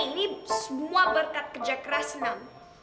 ini semua berkat kerja keras senam